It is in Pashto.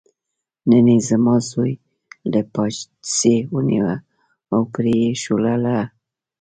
نن یې زما زوی له پایڅې ونیوه او پرې یې شلوله.